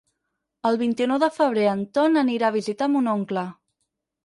El vint-i-nou de febrer en Ton anirà a visitar mon oncle.